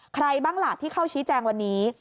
ใครบ้างล่ะที่เข้าชี้แจงวันนี้